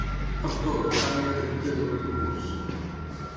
Amb tot, ara hi ha dret de doble recurs.